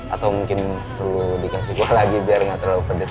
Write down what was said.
atau mungkin perlu dikasih kuah lagi biar nggak terlalu pedes